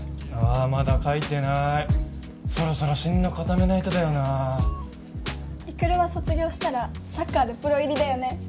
あまだ書いてないそろそろ進路固めないとだよな育は卒業したらサッカーでプロ入りだよね